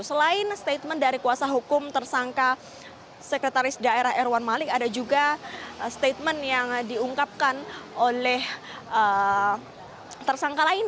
selain statement dari kuasa hukum tersangka sekretaris daerah erwan malik ada juga statement yang diungkapkan oleh tersangka lain